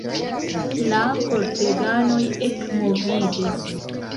La korteganoj ekmoviĝis.